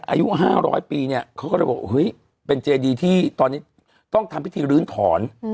อายุ๕๐๐ปีเนี่ยเขาก็เลยบอกเฮ้ยเป็นเจดีที่ตอนนี้ต้องทำพิธีรื้อถอน